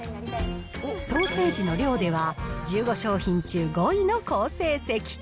ソーセージの量では、１５商品中５位の好成績。